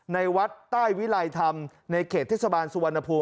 ในวัดใต้วิลัยธรรมในเขตเทศบาลสุวรรณภูมิ